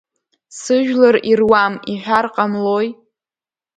Сыжәлар ируам иҳәар ҟамлои.